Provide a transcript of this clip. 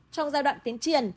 trong giai đoạn tiến triển